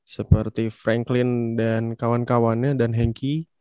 seperti franklin dan kawan kawannya dan hengki